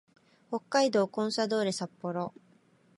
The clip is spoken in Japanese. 北海道コンサドーレ札幌